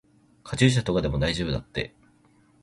カチューシャとかでも大丈夫だって。